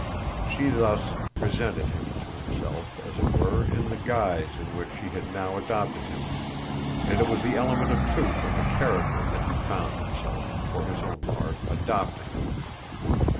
She thus presented him to himself, as it were, in the guise in which she had now adopted him, and it was the element of truth in the character that he found himself, for his own part, adopting.